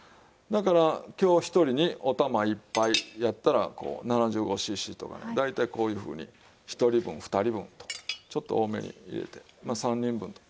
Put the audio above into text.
だから今日は１人にお玉１杯やったらこう７５シーシーとかね大体こういうふうに１人分２人分とちょっと多めに入れてまあ３人分。